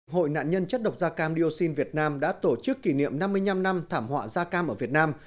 hội nạn nhân chất độc da cam dioxin việt nam đã tổ chức kỷ niệm năm mươi năm năm thảm họa da cam ở việt nam